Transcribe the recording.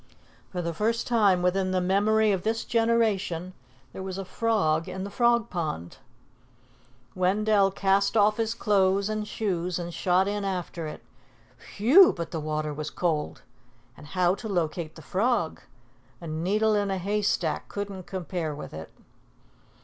For the first time within the memory of this generation, there was a frog in the Frog Pond. Wendell cast off his clothes and shoes and shot in after it. Whew! but the water was cold! And how to locate the frog? A needle in a hay stack couldn't compare with it.